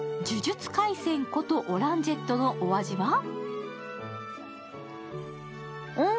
「呪術廻戦」ことオランジェットのお味は？